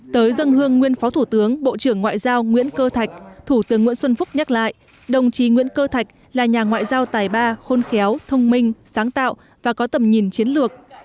tới dân hương nguyên phó thủ tướng bộ trưởng ngoại giao nguyễn cơ thạch thủ tướng nguyễn xuân phúc nhắc lại đồng chí nguyễn cơ thạch là nhà ngoại giao tài ba khôn khéo thông minh sáng tạo và có tầm nhìn chiến lược